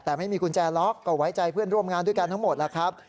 แต่ไม่มีกุญแจล็อกก็ไว้ใจเพื่อนร่วมงานด้วยกันทั้งหมดแล้วครับ